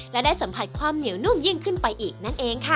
และได้สัมผัสความเหนียวนุ่มยิ่งขึ้นไปอีกนั่นเองค่ะ